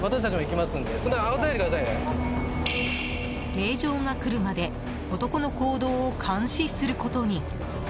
令状が来るまで男の行動を監視することに。